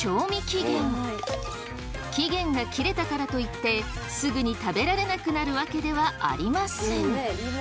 期限が切れたからといってすぐに食べられなくなるわけではありません。